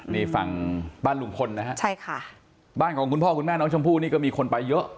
นี่ฝั่งบ้านลุงพลนะฮะใช่ค่ะบ้านของคุณพ่อคุณแม่น้องชมพู่นี่ก็มีคนไปเยอะ